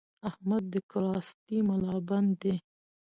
احمد د کراستې ملابند دی؛